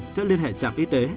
sẽ liên hệ trạm y tế